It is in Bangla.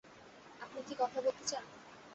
আপনি কি কথা বলতে চান?